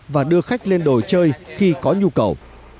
và đưa khách lên đồi chơi khi có nhu cầu